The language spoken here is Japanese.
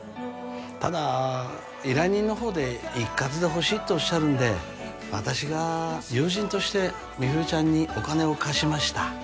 ただ依頼人の方で一括でほしいとおっしゃるんで私が友人として美冬ちゃんにお金を貸しました